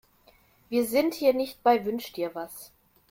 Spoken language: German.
Wir sind hier nicht bei Wünsch-dir-was.